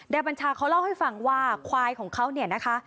บัญชาเขาเล่าให้ฟังว่าควายของเขาเนี่ยนะคะ